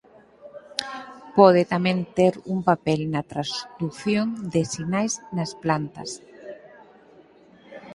Pode tamén ter un papel na transdución de sinais nas plantas.